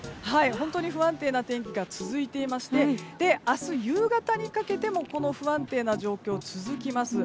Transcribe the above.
本当に不安定な天気が続いていまして明日夕方にかけてもこの不安定な状況、続きます。